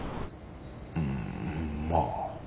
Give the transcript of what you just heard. うんまあ。